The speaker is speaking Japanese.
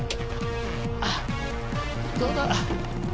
あっどうだ？